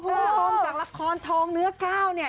คุณผู้ชมจากละครทองเนื้อก้าวเนี่ย